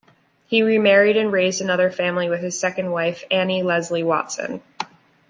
He remarried and raised another family with his second wife, Annie Leslie Watson.